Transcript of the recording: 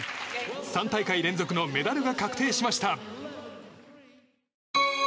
３大会連続のメダルが確定しました。